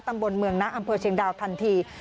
ตำบลเมืองนะอำเภอเชียงดาวทันที